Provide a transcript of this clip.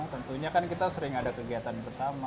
tentunya kan kita sering ada kegiatan bersama